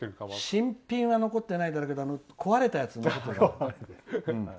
新品は残ってないだろうけど壊れたやつは残ってるかも。